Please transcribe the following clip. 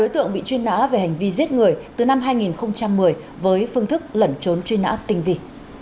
tượng bị chuyên nã về hành vi giết người từ năm hai nghìn một mươi với phương thức lẩn trốn chuyên nã tình vị